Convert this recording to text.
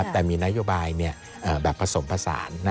แต่มีนโยบายแบบผสมผสาน